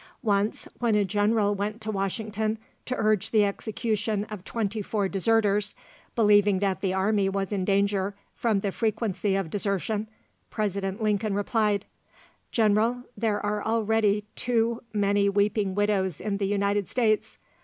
Once, when a General went to Washington to urge the execution of twenty four deserters, believing that the army was in danger from the frequency of desertion, President Lincoln replied, "General, there are already too many weeping widows in the United States.